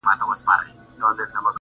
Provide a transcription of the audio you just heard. حق لرم چي والوزم اسمان ته الوته لرم,